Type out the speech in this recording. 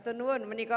terima kasih meniko